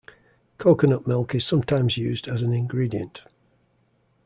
Coconut milk is sometimes used as an ingredient.